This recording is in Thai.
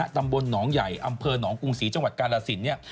ตำบลหนองใหญ่อำเภอหนองกรุงศรีจังหวัดกาลสินเนี่ย